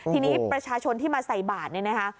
ทีนี้ประชาชนที่มาใส่บาทเนี่ยนะคะ